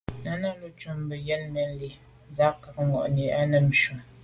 Náná lùcúp mbə̄ jə̂nə̀ mɛ́n lî à’ cák nɛ̂n mwà’nì á nǎmjʉ́.